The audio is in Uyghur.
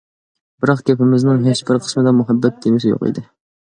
بىراق گېپىمىزنىڭ ھېچبىر قىسمىدا مۇھەببەت تېمىسى يوق ئىدى.